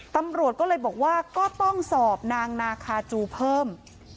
ตำรวจก็เลยบอกว่าก็ต้องสอบนางนาคาจูเพิ่ม